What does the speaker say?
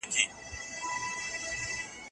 تعلیم د کلتور له منځه تلو مخه نیسي.